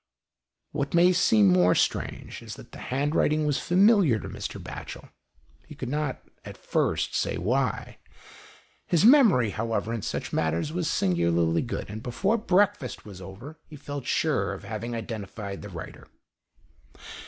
What may seem more strange is that the handwriting was familiar to Mr. Batchel, he could not at first say why. His memory, how ever, in such matters, was singularly good, and before breakfast was over he felt sure of having identified the writer.